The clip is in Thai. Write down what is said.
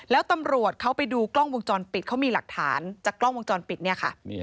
แล้วตำรวจเขาไปดูกล้องวงจรปิดเขามีหลักฐานจากกล้องวงจรปิดเนี่ยค่ะ